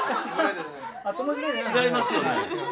違いますよね。